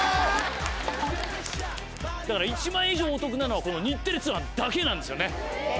だから１万円以上お得なのはこの日テレ通販だけなんですよね。